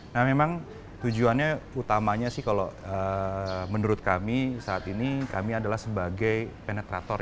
nah memang tujuannya utamanya sih kalau menurut kami saat ini kami adalah sebagai penetrator